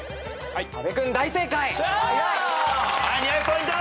２００ポイント！